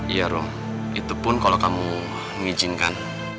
iya rom itu pun kalau kamu mengizinkan